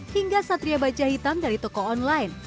hingga satria baja hitam dari toko online